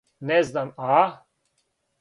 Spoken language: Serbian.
Не знам, а?